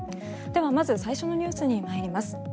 ではまず最初のニュースに参ります。